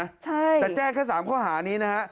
ใช่แต่แจ้งแค่๓ข้อหานี้นะฮะ